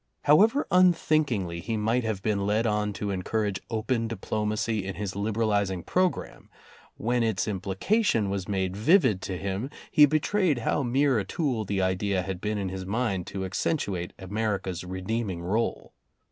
However unthinkingly he might have been led on to encourage open diplomacy in his liberalizing programme, when its implication was made vivid to him, he betrayed how mere a tool the idea had been in his mind to accentuate America's redeeming role.